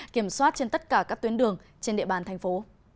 kiểm soát trên tất cả các tuyến đường trên địa bàn thành phố